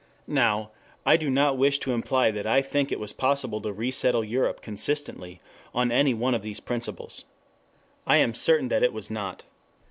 Now I do not wish to imply that I think it was possible to resettle Europe consistently on any one of these principles. I am certain that it was not.